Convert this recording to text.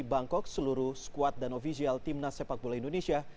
bangkok seluruh squad dan ofisial timnas sepak bola indonesia